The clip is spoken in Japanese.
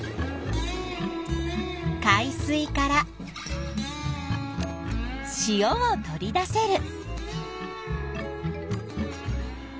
海水から塩を取り出せる。